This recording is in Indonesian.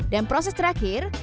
lalu proses terakhir